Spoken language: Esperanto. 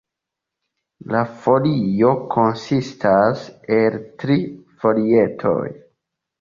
La folioj konsistas el tri folietoj.